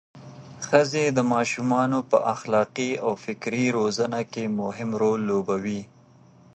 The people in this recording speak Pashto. ښځې د ماشومانو په اخلاقي او فکري روزنه کې مهم رول لوبوي.